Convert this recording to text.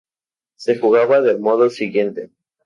Se jugaba del modo siguiente.